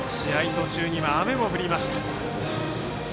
途中には雨も降りました。